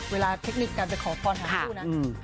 เวลาเทคนิคกันจะขอพรหาคู่นะ